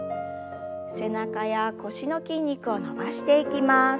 背中や腰の筋肉を伸ばしていきます。